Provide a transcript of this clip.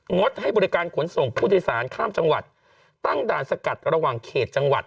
ดให้บริการขนส่งผู้โดยสารข้ามจังหวัดตั้งด่านสกัดระหว่างเขตจังหวัด